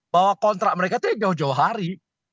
bahwa kontrak mereka itu jauh jauh hari